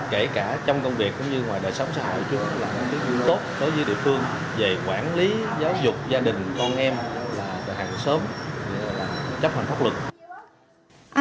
kể cả trong công việc cũng như ngoài đời sống xã hội chú là một cái gương tốt đối với địa phương về quản lý giáo dục gia đình con em hàng xóm chấp hành pháp luật